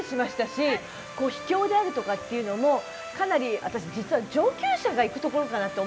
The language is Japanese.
し秘境であるとかっていうのもかなり私実は上級者が行くところかなと思ってたんですね。